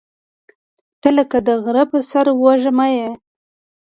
• ته لکه د غره پر سر وږمه یې.